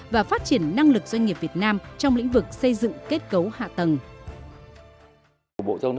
và phát triển năng lực doanh nghiệp việt nam trong lĩnh vực xây dựng kết cấu hạ tầng